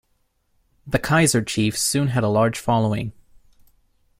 The Kaizer Chiefs soon had a large following.